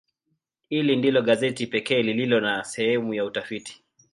Hili ndilo gazeti pekee lililo na sehemu ya utafiti.